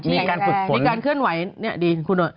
มีการเคลื่อนไหวนี่ดีคุณโดด